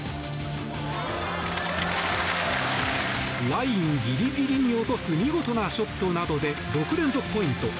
ラインギリギリに落とす見事なショットなどで６連続ポイント。